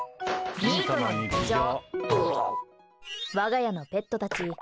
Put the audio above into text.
我が家のペットたち